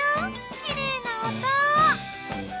きれいな音！